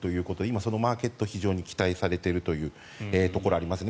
今、そのマーケットが非常に期待されているところはあります。